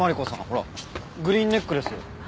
ほらグリーンネックレス。